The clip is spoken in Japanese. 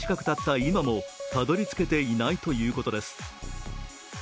今もたどり着けていないということです。